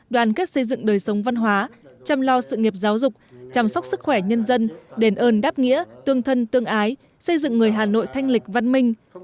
đoàn kết xây dựng đời sống văn hóa chăm lo sự nghiệp giáo dục chăm sóc sức khỏe nhân dân đền ơn đáp nghĩa tương thân tương ái xây dựng người hà nội thanh lịch văn minh